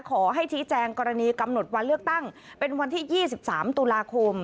ขอให้ชี้แจงกรณีกำหนดวันเลือกตั้งเป็นวันที่๒๓ตุลาคม